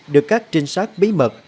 được các trinh sát bí mật